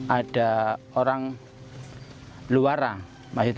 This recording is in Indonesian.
ada orang luara